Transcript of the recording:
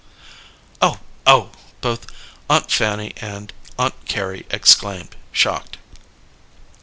"Oh, oh!" both Aunt Fanny and Aunt Carrie exclaimed, shocked.